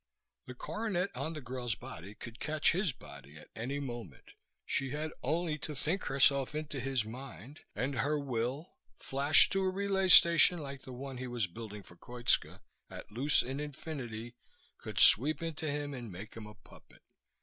The coronet on the girl's body could catch his body at any moment. She had only to think herself into his mind, and her will, flashed to a relay station like the one he was building for Koitska, at loose in infinity, could sweep into him and make him a puppet.